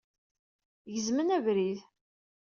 Gezmen abrid.